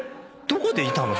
どこにいたの？